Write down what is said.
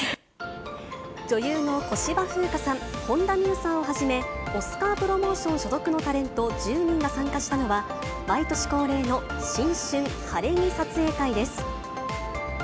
女優の小芝風花さん、本田望結さんをはじめ、オスカープロモーション所属のタレント１０人が参加したのは、毎年恒例の新春晴れ着撮影会です。